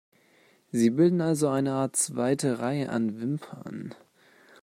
Sie bilden also eine Art zweite Reihe an Wimpern.